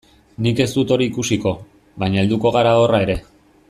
Nik ez dut hori ikusiko, baina helduko gara horra ere.